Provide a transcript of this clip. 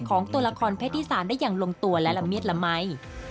ของตัวละครแพทย์ที่สารได้อย่างลงตัวและละเมียดละมัย